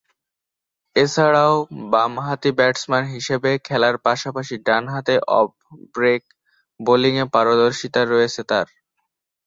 এছাড়াও বামহাতি ব্যাটসম্যান হিসেবে খেলার পাশাপাশি ডানহাতে অফ ব্রেক বোলিংয়ে পারদর্শিতা রয়েছে তার।